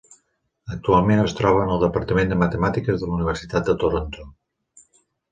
Actualment es troba en el Departament de Matemàtiques de la Universitat de Toronto.